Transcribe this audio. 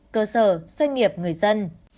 cơ sở doanh nghiệp người dân